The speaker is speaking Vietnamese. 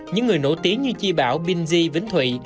những người nổi tiếng như chi bảo binzhi vinh thụy